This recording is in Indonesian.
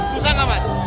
susah gak mas